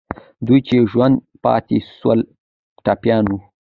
دوی چې ژوندي پاتې سول، ټپیان وو.